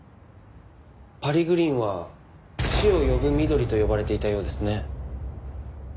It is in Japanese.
パリグリーンは「死を呼ぶ緑」と呼ばれていたようですね。